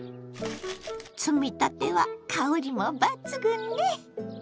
摘みたては香りも抜群ね！